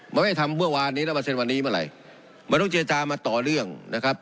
มันไม่ทำเมื่อวานนี้แล้วมาเซ็นวันนี้เมื่อไหร่มันต้องเจรจามาต่อเรื่องนะครับ